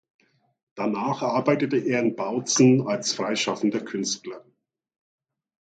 Danach arbeitete er in Bautzen als freischaffender Künstler.